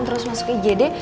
terus masuk ke ijd